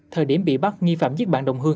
thời điểm bị bắt nghi phạm giết bạn đồng hương